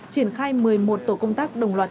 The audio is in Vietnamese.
triển khai một mươi một tổ công tác đồng loạt